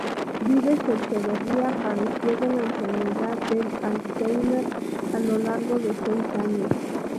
Vives Echeverría padeció de la enfermedad del Alzheimer a lo largo de seis años.